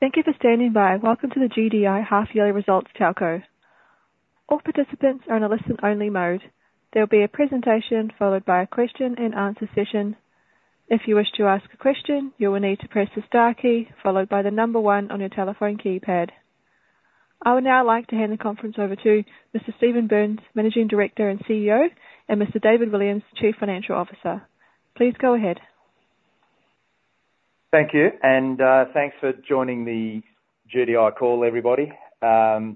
Thank you for standing by. Welcome to the GDI Half-Yearly Results Telco. All participants are in a listen-only mode. There will be a presentation followed by a question-and-answer session. If you wish to ask a question, you will need to press the star key followed by the number one on your telephone keypad. I would now like to hand the conference over to Mr. Stephen Burns, Managing Director and CEO, and Mr. David Williams, Chief Financial Officer. Please go ahead. Thank you. Thanks for joining the GDI call, everybody. I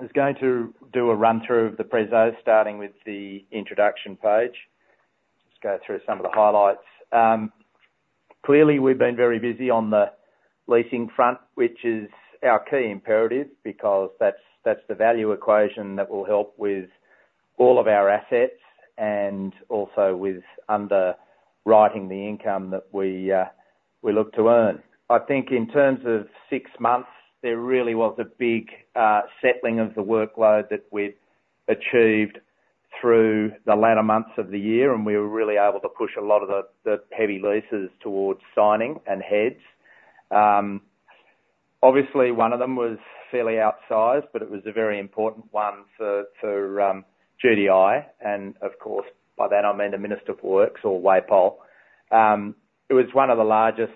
was going to do a run-through of the preso, starting with the introduction page. Just go through some of the highlights. Clearly, we've been very busy on the leasing front, which is our key imperative because that's the value equation that will help with all of our assets and also with underwriting the income that we look to earn. I think in terms of six months, there really was a big settling of the workload that we've achieved through the latter months of the year, and we were really able to push a lot of the heavy leases towards signing and heads. Obviously, one of them was fairly outsized, but it was a very important one for GDI. Of course, by that, I mean the Minister for Works or WAPOL. It was one of the largest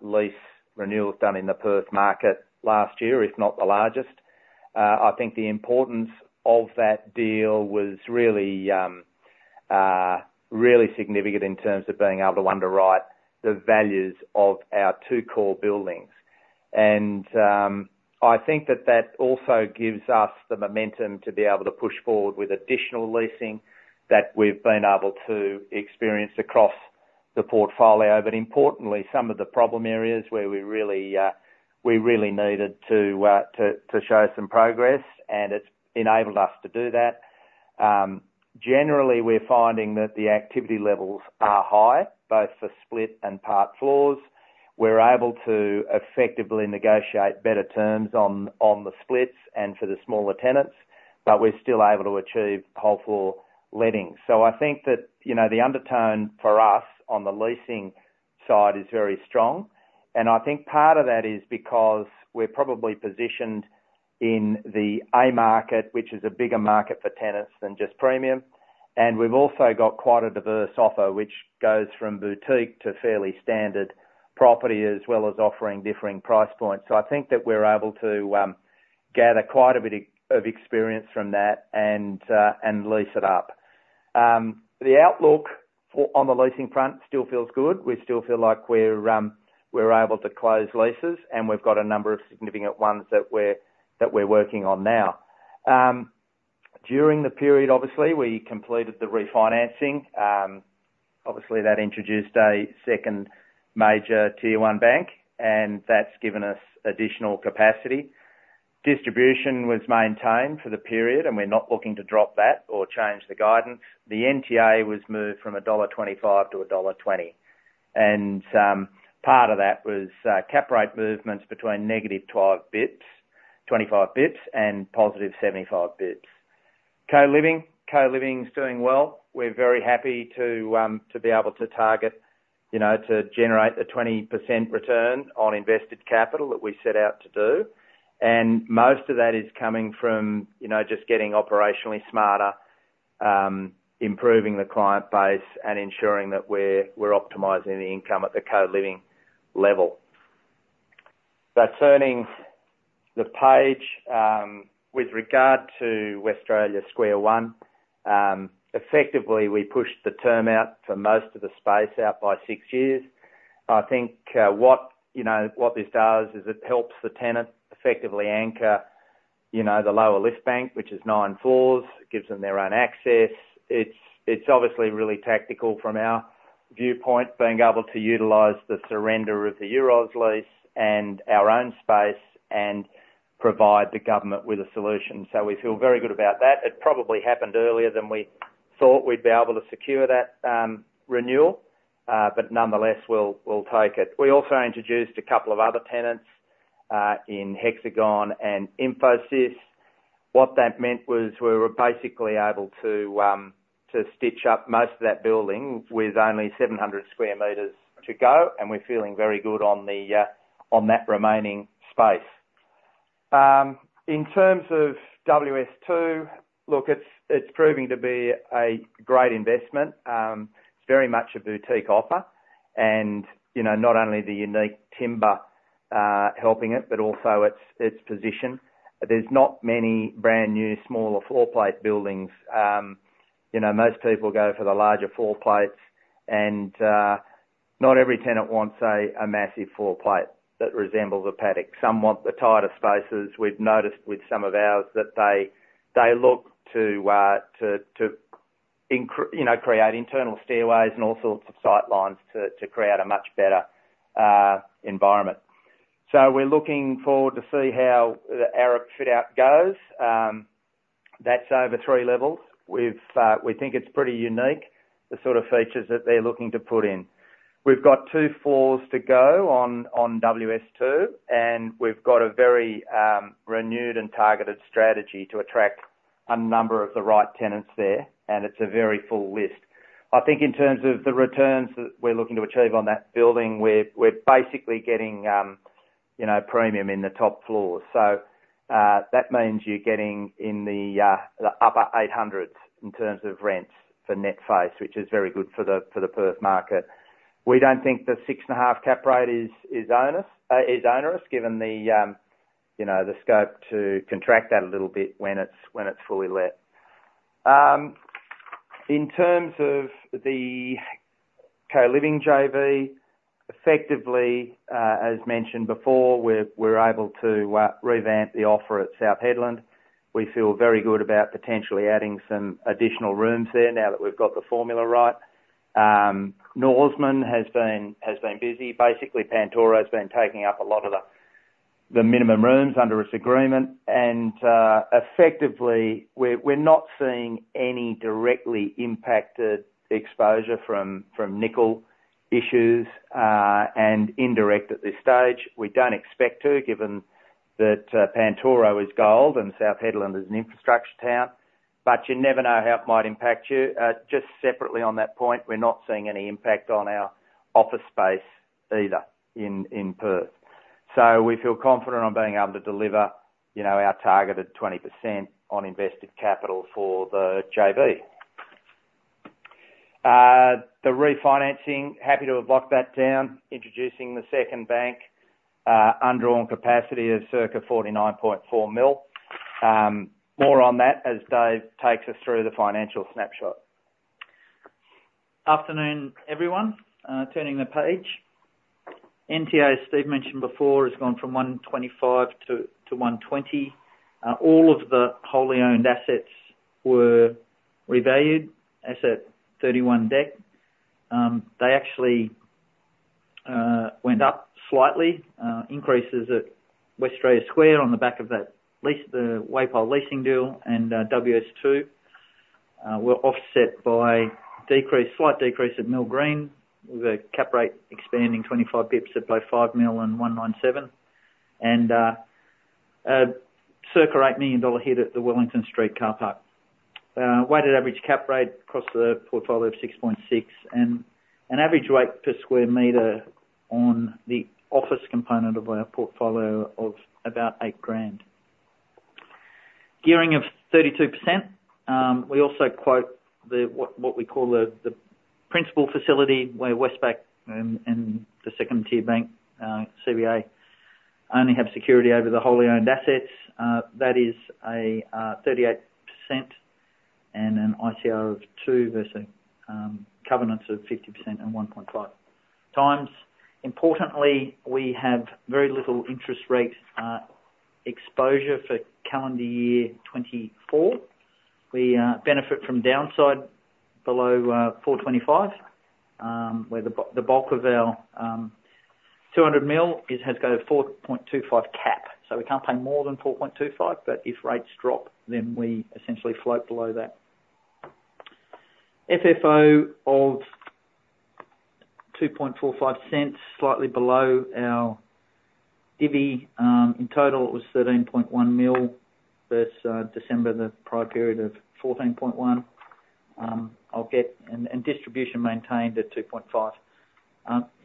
lease renewals done in the Perth market last year, if not the largest. I think the importance of that deal was really significant in terms of being able to underwrite the values of our two core buildings. And I think that that also gives us the momentum to be able to push forward with additional leasing that we've been able to experience across the portfolio. But importantly, some of the problem areas where we really needed to show some progress, and it's enabled us to do that. Generally, we're finding that the activity levels are high, both for split and part floors. We're able to effectively negotiate better terms on the splits and for the smaller tenants, but we're still able to achieve whole-floor letting. So I think that the undertone for us on the leasing side is very strong. I think part of that is because we're probably positioned in the A market, which is a bigger market for tenants than just premium. We've also got quite a diverse offer, which goes from boutique to fairly standard property as well as offering differing price points. I think that we're able to gather quite a bit of experience from that and lease it up. The outlook on the leasing front still feels good. We still feel like we're able to close leases, and we've got a number of significant ones that we're working on now. During the period, obviously, we completed the refinancing. Obviously, that introduced a second major Tier 1 bank, and that's given us additional capacity. Distribution was maintained for the period, and we're not looking to drop that or change the guidance. The NTA was moved from dollar 1.25 to dollar 1.20. And part of that was cap rate movements between -25 basis points and +75 basis points. Co-living? Co-living's doing well. We're very happy to be able to target to generate the 20% return on invested capital that we set out to do. And most of that is coming from just getting operationally smarter, improving the client base, and ensuring that we're optimizing the income at the co-living level. But turning the page, with regard to Westralia Square 1, effectively, we pushed the term out for most of the space out by six years. I think what this does is it helps the tenant effectively anchor the lower lift bank, which is nine floors. It gives them their own access. It's obviously really tactical from our viewpoint, being able to utilize the surrender of the Euroz lease and our own space and provide the government with a solution. So we feel very good about that. It probably happened earlier than we thought we'd be able to secure that renewal, but nonetheless, we'll take it. We also introduced a couple of other tenants in Hexagon and Infosys. What that meant was we were basically able to stitch up most of that building with only 700 sq m to go, and we're feeling very good on that remaining space. In terms of WS2, look, it's proving to be a great investment. It's very much a boutique offer, and not only the unique timber helping it, but also its position. There's not many brand new smaller floor plate buildings. Most people go for the larger floor plates, and not every tenant wants a massive floor plate that resembles a paddock. Some want the tighter spaces. We've noticed with some of ours that they look to create internal stairways and all sorts of sightlines to create a much better environment. So we're looking forward to see how the Arup fit-out goes. That's over three levels. We think it's pretty unique, the sort of features that they're looking to put in. We've got two floors to go on WS2, and we've got a very renewed and targeted strategy to attract a number of the right tenants there, and it's a very full list. I think in terms of the returns that we're looking to achieve on that building, we're basically getting premium in the top floors. So that means you're getting in the upper 800s in terms of rents for net face, which is very good for the Perth market. We don't think the 6.5% cap rate is onerous, given the scope to contract that a little bit when it's fully let. In terms of the co-living JV, effectively, as mentioned before, we're able to revamp the offer at South Hedland. We feel very good about potentially adding some additional rooms there now that we've got the formula right. Norseman has been busy. Basically, Pantoro has been taking up a lot of the minimum rooms under its agreement. And effectively, we're not seeing any directly impacted exposure from nickel issues and indirect at this stage. We don't expect to, given that Pantoro is gold and South Hedland is an infrastructure town. But you never know how it might impact you. Just separately on that point, we're not seeing any impact on our office space either in Perth. We feel confident on being able to deliver our targeted 20% on invested capital for the JV. The refinancing, happy to have locked that down, introducing the second bank, undrawn capacity of circa 49.4 million. More on that as Dave takes us through the financial snapshot. Afternoon, everyone. Turning the page. NTA, as Steve mentioned before, has gone from 125 to 120. All of the wholly owned assets were revalued, at 31 Dec. They actually went up slightly, increases at Westralia Square on the back of the WAPOL leasing deal and WS2. We're offset by slight decrease at Mill Green with a cap rate expanding 25 basis points above 5 million and 197, and a circa 8 million dollar hit at the Wellington Street Car Park. Weighted average cap rate across the portfolio of 6.6% and an average rate per square metre on the office component of our portfolio of about 8,000. Gearing of 32%. We also quote what we call the principal facility where Westpac and the second Tier 1 bank, CBA, only have security over the wholly owned assets. That is a 38% and an ICR of 2 versus covenants of 50% and 1.5x. Importantly, we have very little interest rate exposure for calendar year 2024. We benefit from downside below 4.25%, where the bulk of our 200 million has got a 4.25% cap. So we can't pay more than 4.25%, but if rates drop, then we essentially float below that. FFO of 0.0245, slightly below our IVI. In total, it was 13.1 million versus December, the prior period, of 14.1 million. And distribution maintained at 0.025.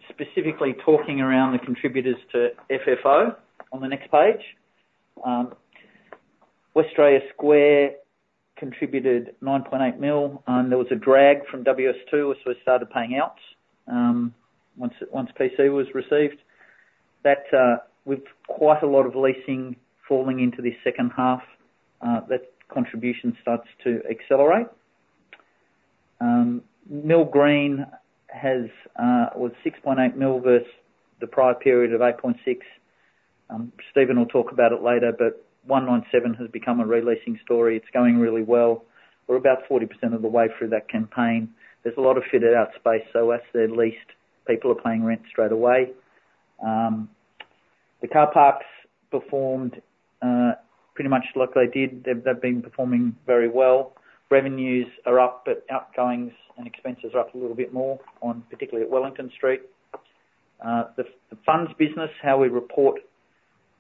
Specifically talking around the contributors to FFO on the next page, Westralia Square contributed 9.8 million. There was a drag from WS2 as we started paying outs once PC was received. With quite a lot of leasing falling into this second half, that contribution starts to accelerate. Mill Green was 6.8 million versus the prior period of 8.6 million. Stephen will talk about it later, but 197 has become a re-leasing story. It's going really well. We're about 40% of the way through that campaign. There's a lot of fitted-out space, so as they're leased, people are paying rent straight away. The car parks performed pretty much like they did. They've been performing very well. Revenues are up, but outgoings and expenses are up a little bit more, particularly at Wellington Street. The funds business, how we report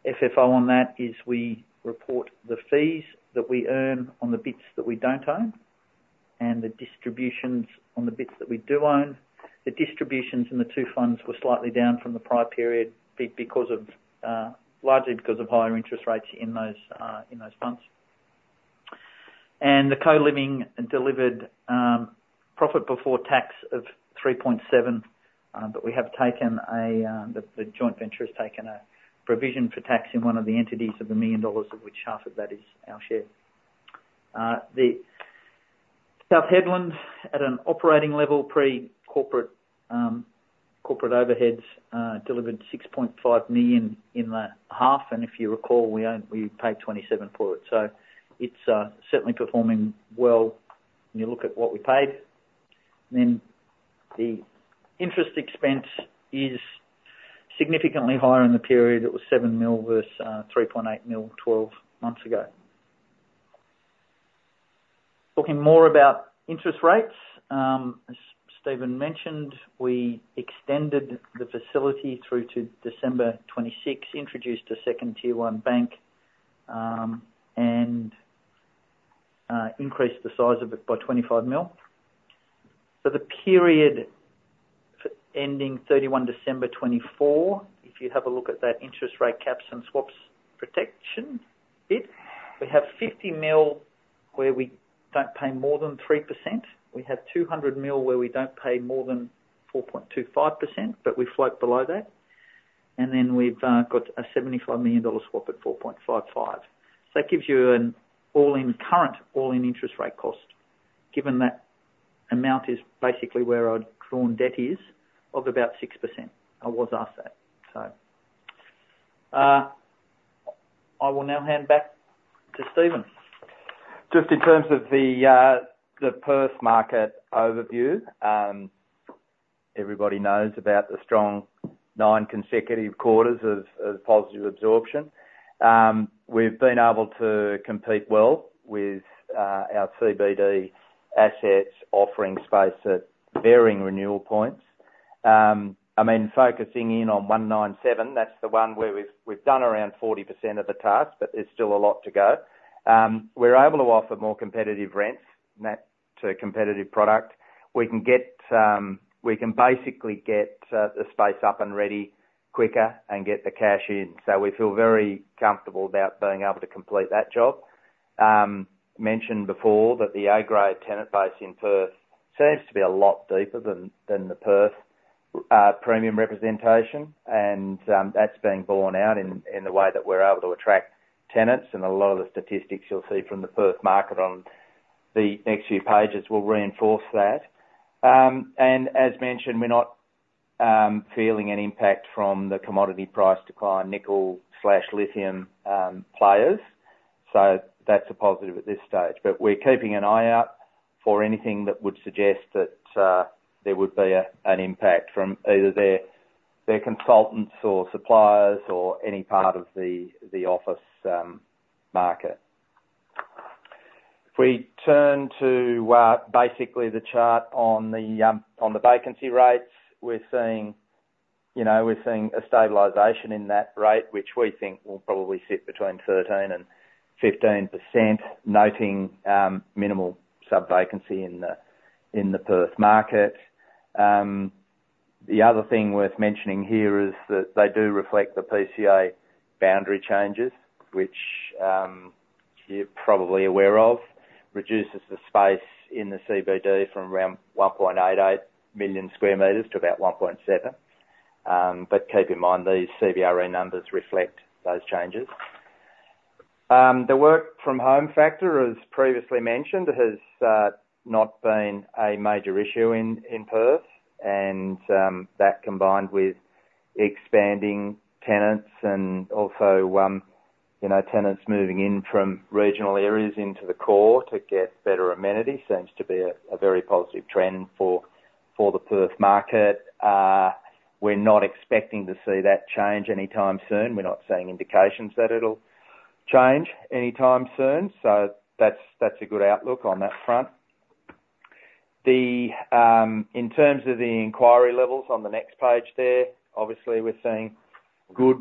FFO on that, is we report the fees that we earn on the bits that we don't own and the distributions on the bits that we do own. The distributions in the two funds were slightly down from the prior period, largely because of higher interest rates in those funds. The co-living delivered profit before tax of 3.7 million, but we have taken the joint venture has taken a provision for tax in one of the entities of 1 million dollars, of which half of that is our share. South Hedland, at an operating level, pre-corporate overheads, delivered 6.5 million in the half. If you recall, we paid 27 million for it. It's certainly performing well when you look at what we paid. The interest expense is significantly higher in the period. It was 7 million versus 3.8 million 12 months ago. Talking more about interest rates, as Stephen mentioned, we extended the facility through to December 2026, introduced a second Tier 1 bank, and increased the size of it by 25 million. For the period ending 31 December 2024, if you have a look at that interest rate caps and swaps protection bit, we have 50 million where we don't pay more than 3%. We have 200 million where we don't pay more than 4.25%, but we float below that. And then we've got a 75 million dollar swap at 4.55%. So that gives you an all-in current, all-in interest rate cost, given that amount is basically where our drawn debt is of about 6%. I was asked that, so. I will now hand back to Stephen. Just in terms of the Perth market overview, everybody knows about the strong nine consecutive quarters of positive absorption. We've been able to compete well with our CBD assets offering space at varying renewal points. I mean, focusing in on 197, that's the one where we've done around 40% of the task, but there's still a lot to go. We're able to offer more competitive rents to competitive product. We can basically get the space up and ready quicker and get the cash in. So we feel very comfortable about being able to complete that job. Mentioned before that the A-grade tenant base in Perth seems to be a lot deeper than the Perth premium representation, and that's being borne out in the way that we're able to attract tenants. And a lot of the statistics you'll see from the Perth market on the next few pages will reinforce that. As mentioned, we're not feeling an impact from the commodity price decline nickel/lithium players. So that's a positive at this stage. But we're keeping an eye out for anything that would suggest that there would be an impact from either their consultants or suppliers or any part of the office market. If we turn to basically the chart on the vacancy rates, we're seeing a stabilization in that rate, which we think will probably sit between 13%-15%, noting minimal subvacancy in the Perth market. The other thing worth mentioning here is that they do reflect the PCA boundary changes, which you're probably aware of, reduces the space in the CBD from around 1.88 million sq m to about 1.7 million sq m. But keep in mind, these CBRE numbers reflect those changes. The work-from-home factor, as previously mentioned, has not been a major issue in Perth. That combined with expanding tenants and also tenants moving in from regional areas into the core to get better amenities seems to be a very positive trend for the Perth market. We're not expecting to see that change anytime soon. We're not seeing indications that it'll change anytime soon. That's a good outlook on that front. In terms of the inquiry levels on the next page there, obviously, we're seeing good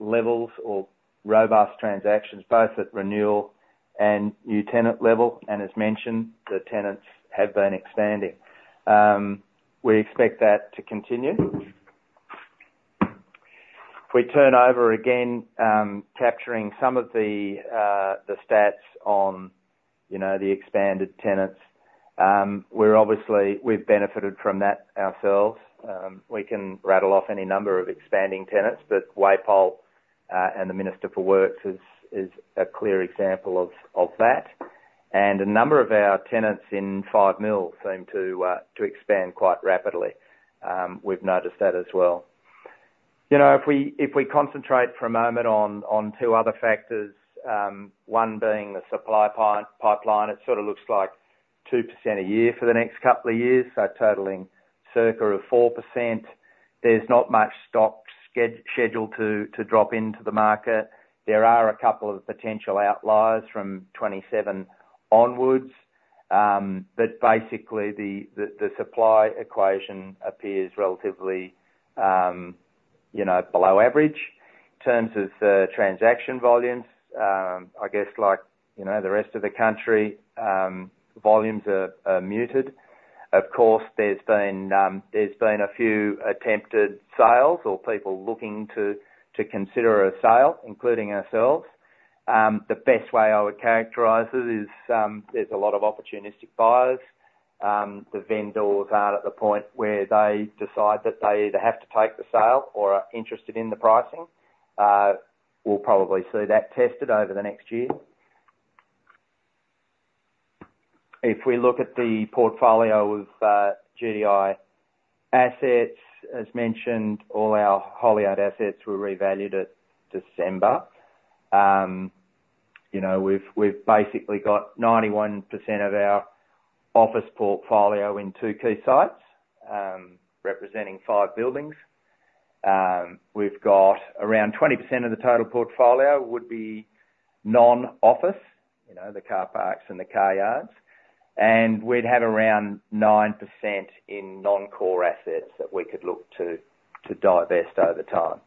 levels or robust transactions, both at renewal and new tenant level. As mentioned, the tenants have been expanding. We expect that to continue. If we turn over again, capturing some of the stats on the expanded tenants, we've benefited from that ourselves. We can rattle off any number of expanding tenants, but WAPOL and the Minister for Works is a clear example of that. A number of our tenants in 5 Mill Street seem to expand quite rapidly. We've noticed that as well. If we concentrate for a moment on two other factors, one being the supply pipeline, it sort of looks like 2% a year for the next couple of years, so totaling circa of 4%. There's not much stock scheduled to drop into the market. There are a couple of potential outliers from 2027 onwards, but basically, the supply equation appears relatively below average. In terms of the transaction volumes, I guess like the rest of the country, volumes are muted. Of course, there's been a few attempted sales or people looking to consider a sale, including ourselves. The best way I would characterize it is there's a lot of opportunistic buyers. The vendors are at the point where they decide that they either have to take the sale or are interested in the pricing. We'll probably see that tested over the next year. If we look at the portfolio of GDI assets, as mentioned, all our wholly owned assets were revalued at December. We've basically got 91% of our office portfolio in two key sites, representing five buildings. We've got around 20% of the total portfolio would be non-office, the car parks and the car yards. And we'd have around 9% in non-core assets that we could look to divest over time.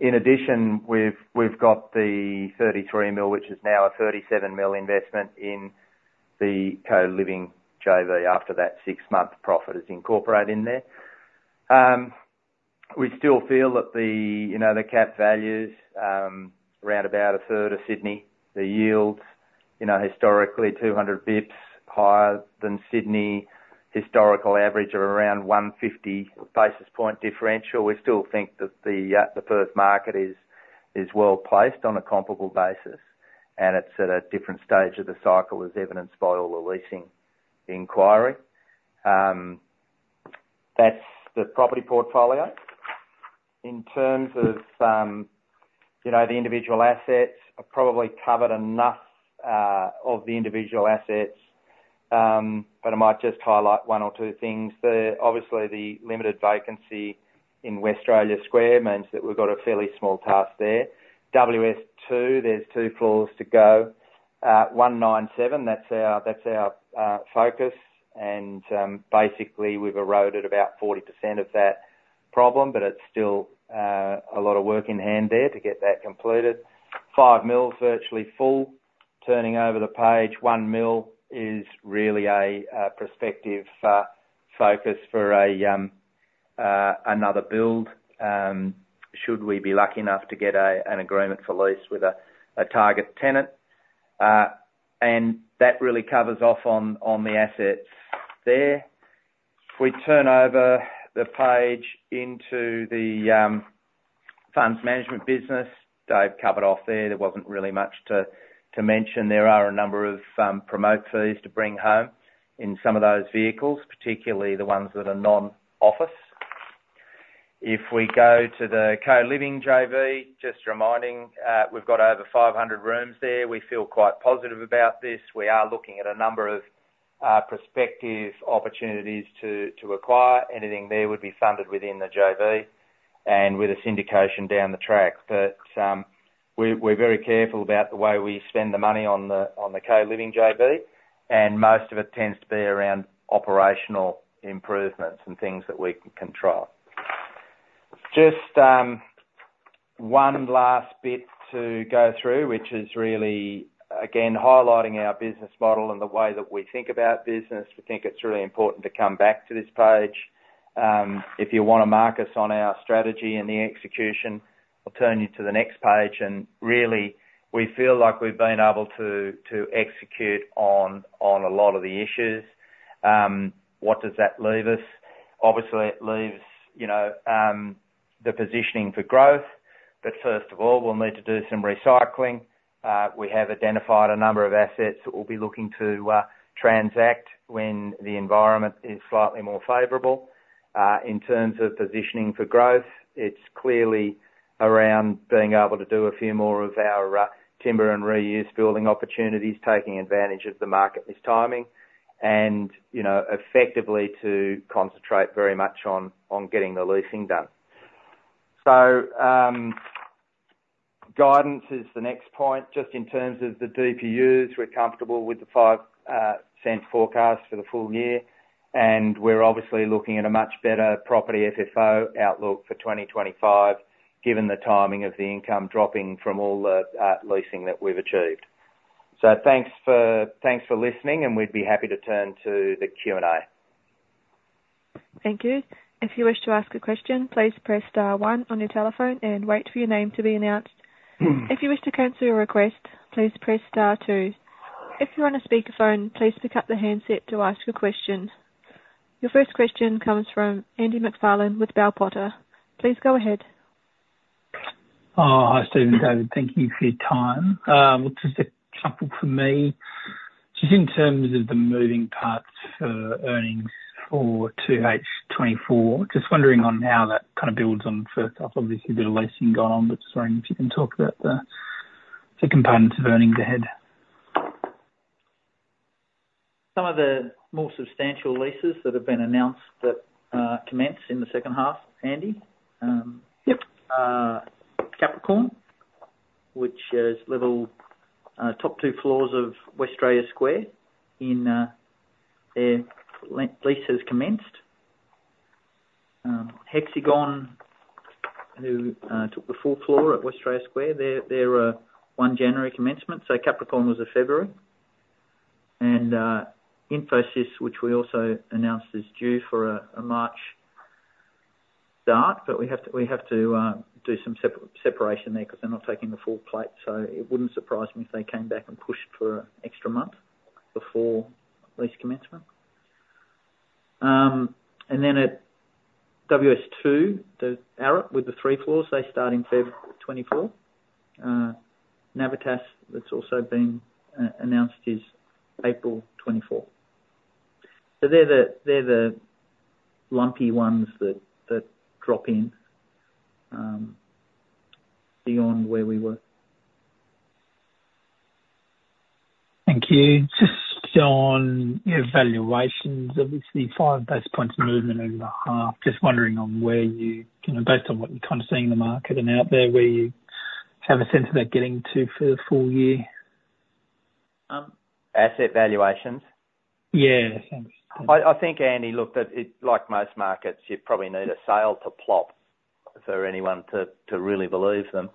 In addition, we've got the 33 million, which is now a 37 million investment in the co-living JV after that six-month profit is incorporated in there. We still feel that the cap values are around about 1/3 of Sydney. The yields, historically, 200 basis points higher than Sydney, historical average of around 150 basis points differential. We still think that the Perth market is well placed on a comparable basis, and it's at a different stage of the cycle as evidenced by all the leasing inquiry. That's the property portfolio. In terms of the individual assets, I've probably covered enough of the individual assets, but I might just highlight one or two things. Obviously, the limited vacancy in Westralia Square means that we've got a fairly small task there. WS2, there's two floors to go. 197, that's our focus. And basically, we've eroded about 40% of that problem, but it's still a lot of work in hand there to get that completed. 5 Mill Street, virtually full, turning over the page, 1 Mill Street is really a prospective focus for another build should we be lucky enough to get an agreement for lease with a target tenant. And that really covers off on the assets there. If we turn over the page into the funds management business, Dave covered off there. There wasn't really much to mention. There are a number of promote fees to bring home in some of those vehicles, particularly the ones that are non-office. If we go to the co-living JV, just reminding, we've got over 500 rooms there. We feel quite positive about this. We are looking at a number of prospective opportunities to acquire. Anything there would be funded within the JV and with a syndication down the track. But we're very careful about the way we spend the money on the co-living JV, and most of it tends to be around operational improvements and things that we can control. Just one last bit to go through, which is really, again, highlighting our business model and the way that we think about business. We think it's really important to come back to this page. If you want to mark us on our strategy and the execution, I'll turn you to the next page. And really, we feel like we've been able to execute on a lot of the issues. What does that leave us? Obviously, it leaves the positioning for growth. But first of all, we'll need to do some recycling. We have identified a number of assets that we'll be looking to transact when the environment is slightly more favorable. In terms of positioning for growth, it's clearly around being able to do a few more of our timber and reuse building opportunities, taking advantage of the market this timing, and effectively to concentrate very much on getting the leasing done. So guidance is the next point. Just in terms of the DPUs, we're comfortable with the 0.05 forecast for the full year. And we're obviously looking at a much better property FFO outlook for 2025, given the timing of the income dropping from all the leasing that we've achieved. So thanks for listening, and we'd be happy to turn to the Q&A. Thank you. If you wish to ask a question, please press star one on your telephone and wait for your name to be announced. If you wish to cancel your request, please press star two. If you're on a speakerphone, please pick up the handset to ask a question. Your first question comes from Andy MacFarlane with Bell Potter. Please go ahead. Hi, Stephen and David. Thank you for your time. Just a couple for me. Just in terms of the moving parts for earnings for 2H 2024, just wondering on how that kind of builds on. First off, obviously, a bit of leasing gone on, but just wondering if you can talk about the components of earnings ahead. Some of the more substantial leases that have been announced that commence in the second half, Andy. Capricorn, which is top two floors of Westralia Square, their lease has commenced. Hexagon, who took the fourth floor at Westralia Square, their 1 January commencement. So Capricorn was a February. And Infosys, which we also announced is due for a March start, but we have to do some separation there because they're not taking the full plate. So it wouldn't surprise me if they came back and pushed for an extra month before lease commencement. And then at WS2, Arup with the three floors, they start in February 2024. Navitas, that's also been announced, is April 2024. So they're the lumpy ones that drop in beyond where we were. Thank you. Just on your valuations, obviously, 5 basis points of movement over the half. Just wondering on where you based on what you're kind of seeing in the market and out there, where you have a sense of that getting to for the full year. Asset valuations? Yeah. Thanks. I think, Andy, look, like most markets, you probably need a sale to prop for anyone to really believe them.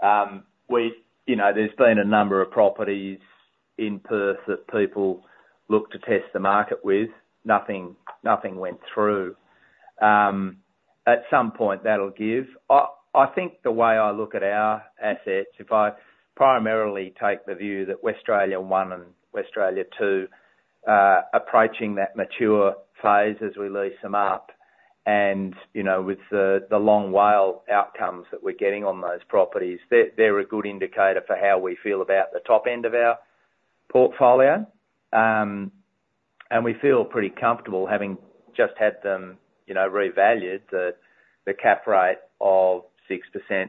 There's been a number of properties in Perth that people look to test the market with. Nothing went through. At some point, that'll give. I think the way I look at our assets, if I primarily take the view that Westralia 1 and Westralia 2, approaching that mature phase as we lease them up and with the long WALE outcomes that we're getting on those properties, they're a good indicator for how we feel about the top end of our portfolio. And we feel pretty comfortable having just had them revalued, the cap rate of 6%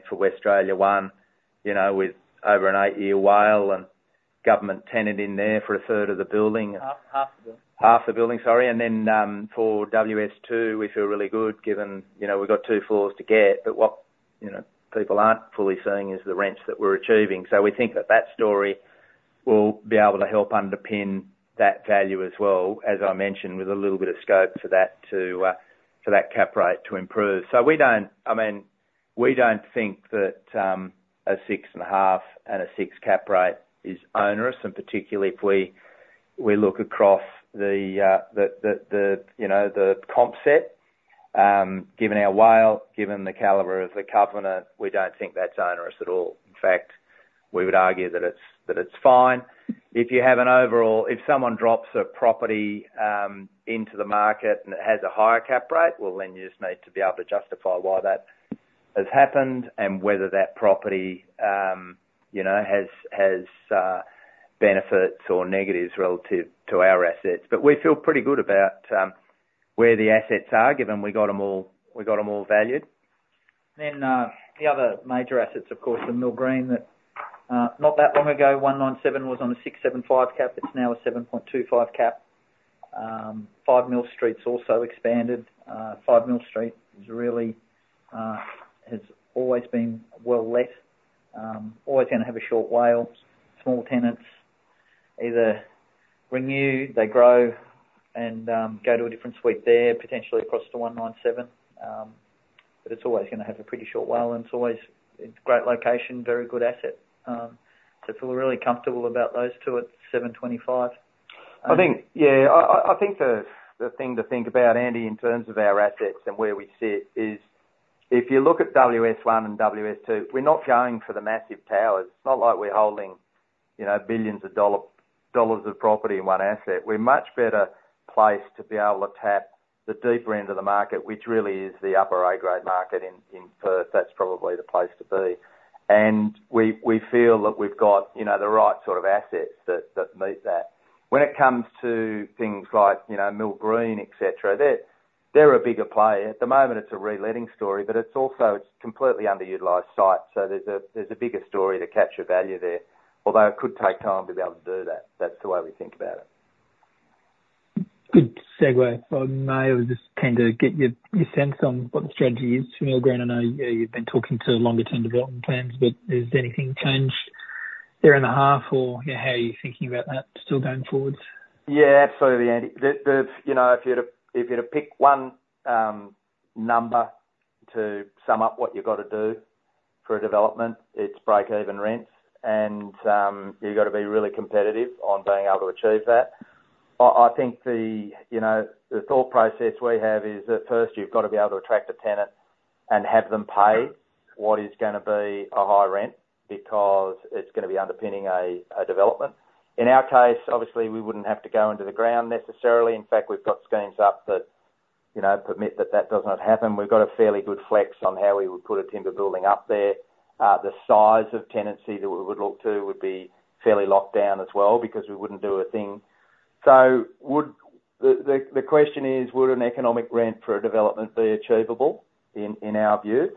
for Westralia 1 with over an eight-year WALE and government tenant in there for a third of the building. Half the building. Half the building, sorry. Then for WS2, we feel really good given we've got two floors to get. But what people aren't fully seeing is the rent that we're achieving. So we think that that story will be able to help underpin that value as well, as I mentioned, with a little bit of scope for that cap rate to improve. So I mean, we don't think that a 6.5% and 6% cap rate is onerous, and particularly if we look across the comp set, given our WALE, given the caliber of the covenant, we don't think that's onerous at all. In fact, we would argue that it's fine. If you have an overall, if someone drops a property into the market and it has a higher cap rate, well, then you just need to be able to justify why that has happened and whether that property has benefits or negatives relative to our assets. But we feel pretty good about where the assets are given we've got them all valued. And then the other major assets, of course, the Mill Green that not that long ago, 197 was on a 6.75% cap. It's now a 7.25% cap. 5 Mill Street's also expanded. 5 Mill Street has always been well let, always going to have a short WALE. Small tenants either renew, they grow, and go to a different suite there, potentially across to 197. But it's always going to have a pretty short WALE. And it's a great location, very good asset. So I feel really comfortable about those two at 7.25%. Yeah. I think the thing to think about, Andy, in terms of our assets and where we sit is if you look at WS1 and WS2, we're not going for the massive towers. It's not like we're holding billions of dollars of property in one asset. We're much better placed to be able to tap the deeper end of the market, which really is the upper A-grade market in Perth. That's probably the place to be. And we feel that we've got the right sort of assets that meet that. When it comes to things like Mill Green, etc., they're a bigger player. At the moment, it's a reletting story, but it's completely underutilized site. So there's a bigger story to catch a value there, although it could take time to be able to do that. That's the way we think about it. Good segue. May I just kind of get your sense on what the strategy is for Mill Green? I know you've been talking to longer-term development plans, but has anything changed there in the half or how are you thinking about that still going forwards? Yeah. Absolutely, Andy. If you had to pick one number to sum up what you've got to do for a development, it's break-even rents. And you've got to be really competitive on being able to achieve that. I think the thought process we have is at first, you've got to be able to attract a tenant and have them pay what is going to be a high rent because it's going to be underpinning a development. In our case, obviously, we wouldn't have to go into the ground necessarily. In fact, we've got schemes up that permit that that does not happen. We've got a fairly good flex on how we would put a timber building up there. The size of tenancy that we would look to would be fairly locked down as well because we wouldn't do a thing. The question is, would an economic rent for a development be achievable in our view?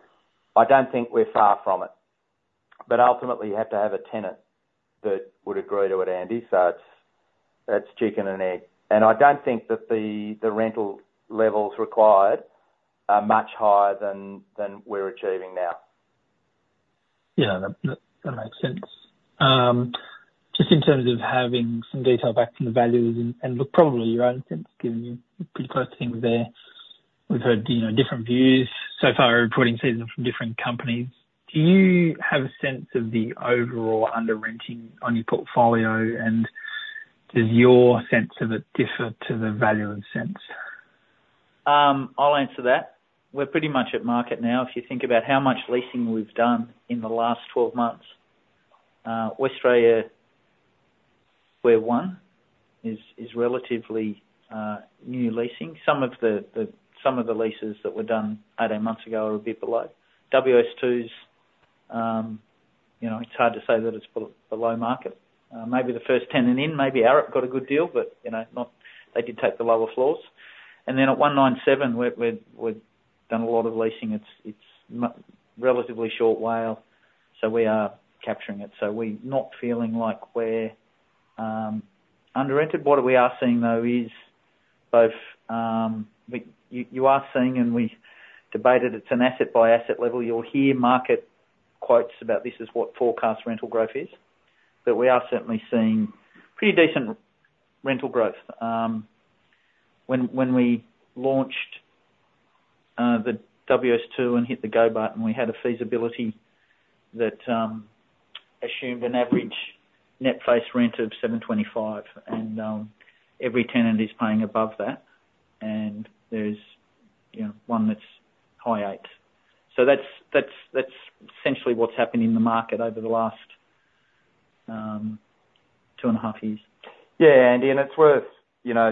I don't think we're far from it. Ultimately, you have to have a tenant that would agree to it, Andy. It's chicken and egg. I don't think that the rental levels required are much higher than we're achieving now. Yeah. That makes sense. Just in terms of having some detail back from the values and probably your own sense, given you're pretty close to things there. We've heard different views so far reporting season from different companies. Do you have a sense of the overall under-renting on your portfolio, and does your sense of it differ to the value of sense? I'll answer that. We're pretty much at market now. If you think about how much leasing we've done in the last 12 months, Westralia Square 1 is relatively new leasing. Some of the leases that were done eight or eight months ago are a bit below. WS2's, it's hard to say that it's below market. Maybe the first tenant in, maybe Arup got a good deal, but they did take the lower floors. And then at 197, we've done a lot of leasing. It's relatively short WALE, so we are capturing it. So we're not feeling like we're under-rented. What we are seeing, though, is both you are seeing, and we debated it's an asset-by-asset level. You'll hear market quotes about this as what forecast rental growth is. But we are certainly seeing pretty decent rental growth. When we launched the WS2 and hit the go button, we had a feasibility that assumed an average net face rent of 725, and every tenant is paying above that. There's one that's high eight. That's essentially what's happened in the market over the last two and a half years. Yeah, Andy. And it's worth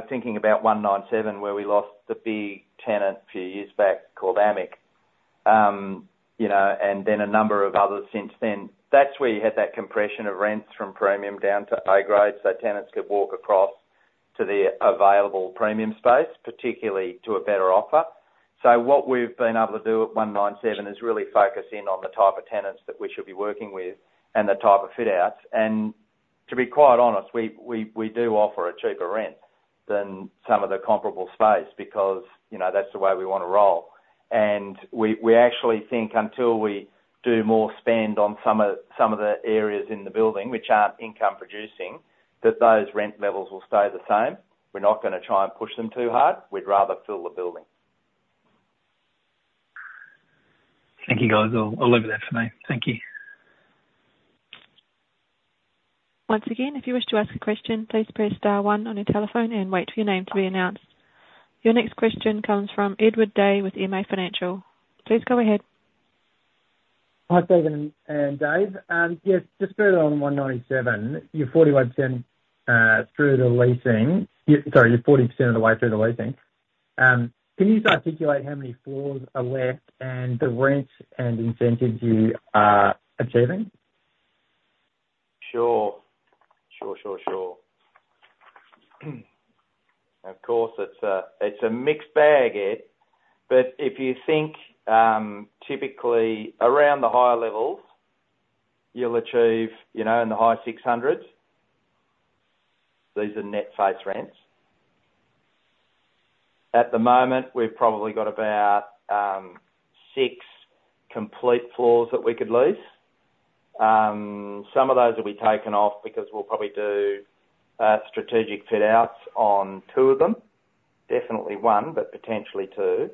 thinking about 197, where we lost the big tenant a few years back called AMEC and then a number of others since then. That's where you had that compression of rents from premium down to A-grade, so tenants could walk across to the available premium space, particularly to a better offer. So what we've been able to do at 197 is really focus in on the type of tenants that we should be working with and the type of fit-outs. And to be quite honest, we do offer a cheaper rent than some of the comparable space because that's the way we want to roll. And we actually think until we do more spend on some of the areas in the building, which aren't income-producing, that those rent levels will stay the same. We're not going to try and push them too hard. We'd rather fill the building. Thank you, guys. I'll leave it there for now. Thank you. Once again, if you wish to ask a question, please press star one on your telephone and wait for your name to be announced. Your next question comes from Edward Day with MA Financial. Please go ahead. Hi, Stephen and Dave. Yes, just further on 197, you're 41% through the leasing sorry, you're 40% of the way through the leasing. Can you just articulate how many floors are left and the rents and incentives you are achieving? Sure. Sure, sure, sure. Of course, it's a mixed bag, Ed. But if you think typically around the higher levels, you'll achieve in the high 600s. These are net face rents. At the moment, we've probably got about six complete floors that we could lease. Some of those have we taken off because we'll probably do strategic fit-outs on two of them, definitely one, but potentially two.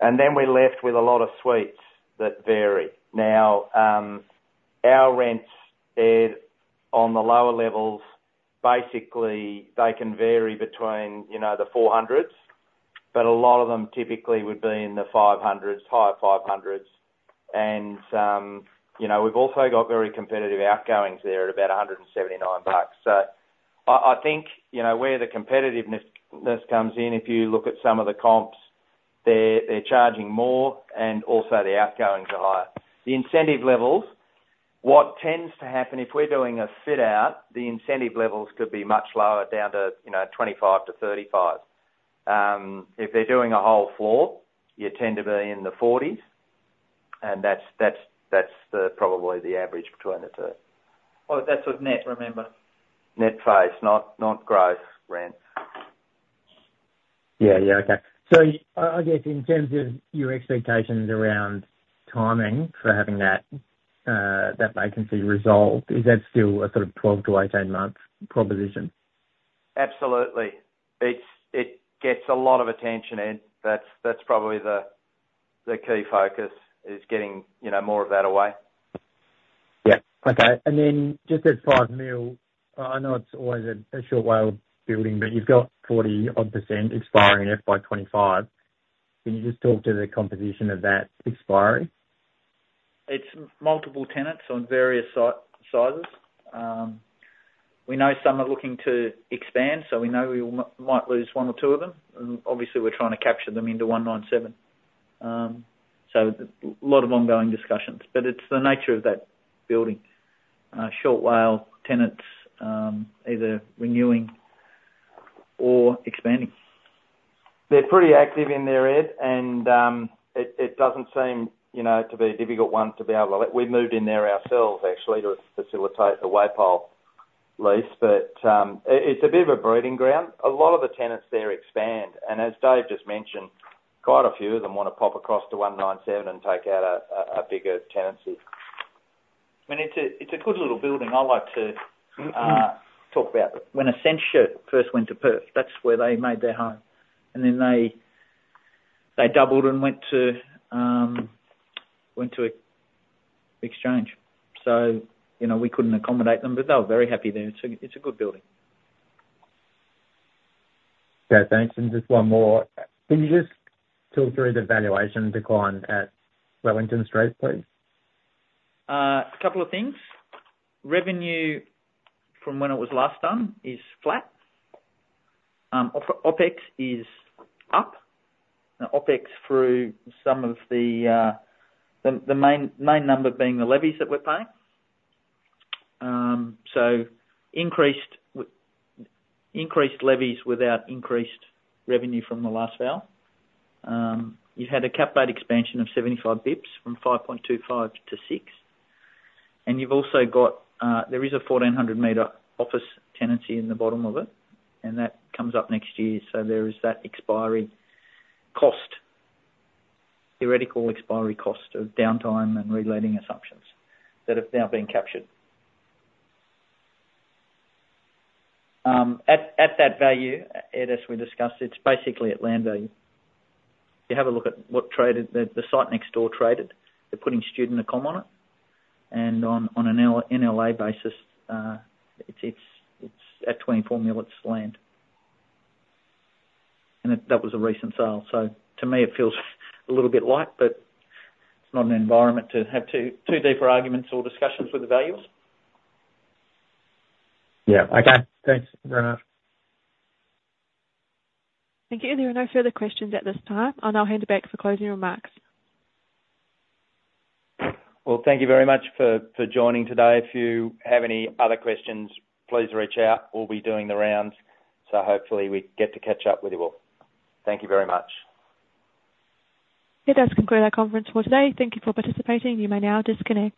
And then we're left with a lot of suites that vary. Now, our rents, Ed, on the lower levels, basically, they can vary between the 400s, but a lot of them typically would be in the 500s, higher 500s. And we've also got very competitive outgoings there at about 179 bucks. So I think where the competitiveness comes in, if you look at some of the comps, they're charging more, and also the outgoings are higher. The incentive levels, what tends to happen if we're doing a fit-out, the incentive levels could be much lower, down to 25-35. If they're doing a whole floor, you tend to be in the AUD 40s. And that's probably the average between the two. Oh, that's with net, remember? Net face rent, not gross rent. Yeah. Yeah. Okay. So I guess in terms of your expectations around timing for having that vacancy resolved, is that still a sort of 12-18-month proposition? Absolutely. It gets a lot of attention, Ed. That's probably the key focus, is getting more of that away. Yeah. Okay. And then just at 5 Mill Street, I know it's always a short WALE building, but you've got 40%-odd expiring FY 2025. Can you just talk to the composition of that expiry? It's multiple tenants on various sizes. We know some are looking to expand, so we know we might lose one or two of them. And obviously, we're trying to capture them into 197. So a lot of ongoing discussions. But it's the nature of that building, short WALE tenants either renewing or expanding. They're pretty active in there, Ed. And it doesn't seem to be a difficult one to be able to we moved in there ourselves, actually, to facilitate the WAPOL lease. But it's a bit of a breeding ground. A lot of the tenants there expand. And as Dave just mentioned, quite a few of them want to pop across to 197 and take out a bigger tenancy. I mean, it's a good little building. I like to talk about it. When Accenture first went to Perth, that's where they made their home. And then they doubled and went to Exchange. So we couldn't accommodate them, but they were very happy there. It's a good building. Okay. Thanks. And just one more. Can you just talk through the valuation decline at Wellington Street, please? A couple of things. Revenue from when it was last done is flat. OpEx is up. OpEx through some of the main number being the levies that we're paying. So increased levies without increased revenue from the last valuation. You've had a cap rate expansion of 75 basis points from 5.25%-6%. And you've also got there is a 1,400 m office tenancy in the bottom of it, and that comes up next year. So there is that expiry cost, theoretical expiry cost of downtime and reletting assumptions that have now been captured. At that value, Ed, as we discussed, it's basically at land value. If you have a look at what the site next door traded, they're putting student accom. And on an NLA basis, it's at 24 million. It's land. And that was a recent sale. To me, it feels a little bit light, but it's not an environment to have too deep arguments or discussions with the values. Yeah. Okay. Thanks very much. Thank you. There are no further questions at this time. I'll now hand it back for closing remarks. Well, thank you very much for joining today. If you have any other questions, please reach out. We'll be doing the rounds. Hopefully, we get to catch up with you all. Thank you very much. It does conclude our conference for today. Thank you for participating. You may now disconnect.